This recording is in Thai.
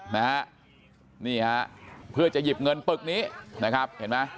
นะฮะนี่ฮะเพื่อจะหยิบเงินปึกนี้นะครับเห็นไหม